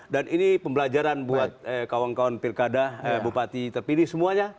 dan ini pembelajaran buat kawan kawan pirkada bupati terpilih semuanya